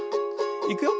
いくよ。